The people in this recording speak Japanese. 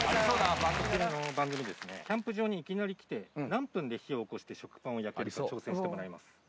こちらの番組、キャンプ場にいきなり来て、何分で火をおこして食パンを焼けるか挑戦してもらいます。